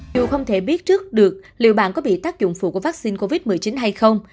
dù không thể biết trước được liệu bạn có bị tác dụng phụ của vaccine covid một mươi chín hay không